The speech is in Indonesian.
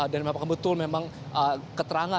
dan memang betul memang keterangan